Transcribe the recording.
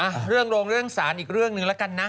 อ่ะเรื่องร่วงเรื่องศาลอีกเรื่องนึงละกันนะ